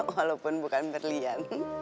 walaupun bukan berlian